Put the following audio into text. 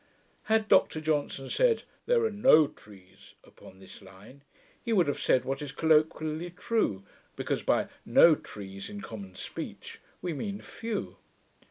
Had Dr Johnson said, 'there are NO trees' upon this line, he would have said what is colloquially true; because, by no trees, in common speech, we mean few.